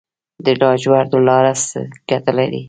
د لاجوردو لاره څه ګټه لري؟